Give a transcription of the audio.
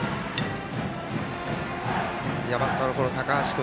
バッターの高橋君